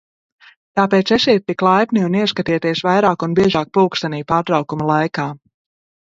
Tāpēc esiet tik laipni un ieskatieties vairāk un biežāk pulkstenī pārtraukuma laikā.